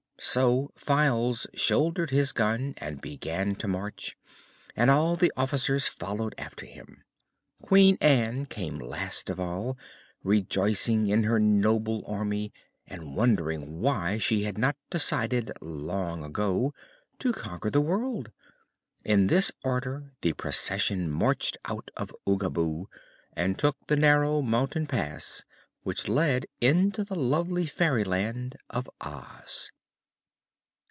So Files shouldered his gun and began to march, and all the officers followed after him. Queen Ann came last of all, rejoicing in her noble army and wondering why she had not decided long ago to conquer the world. In this order the procession marched out of Oogaboo and took the narrow mountain pass which led into the lovely Fairyland of Oz.